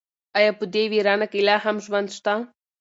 ایا په دې ویرانه کې لا هم ژوند شته؟